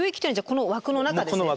この枠の中ですね。